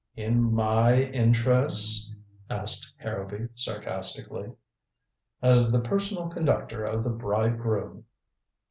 "In my interests?" asked Harrowby sarcastically. "As the personal conductor of the bride groom."